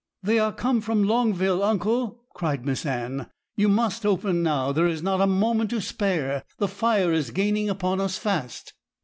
'They are come from Longville, uncle,' cried Miss Anne. 'You must open now; there is not a moment to spare. The fire is gaining upon us fast.'